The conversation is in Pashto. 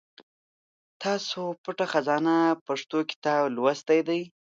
تاسو پټه خزانه پښتو کتاب لوستی دی ؟